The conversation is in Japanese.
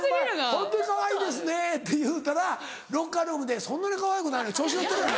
「ホントにかわいいですね」って言うたらロッカールームで「そんなにかわいくないのに調子乗ってるよね」。